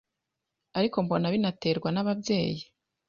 Ariko mbona binaterwa n'ababyeyi